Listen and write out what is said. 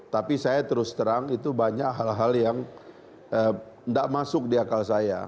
tapi saya terus terang itu banyak hal hal yang tidak masuk di akal saya